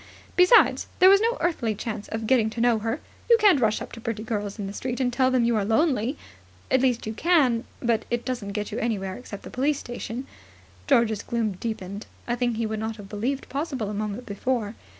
Besides there was no earthly chance of getting to know her. You can't rush up to pretty girls in the street and tell them you are lonely. At least, you can, but it doesn't get you anywhere except the police station. George's gloom deepened a thing he would not have believed possible a moment before.